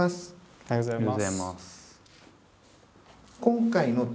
おはようございます。